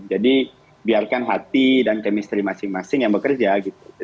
jadi biarkan hati dan kemisteri masing masing ya mbak chris ya gitu